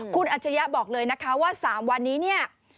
คุณอัจฉริยะบอกเลยนะคะว่าสามวันนี้